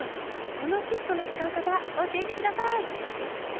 このキットの使い方教えて下さい！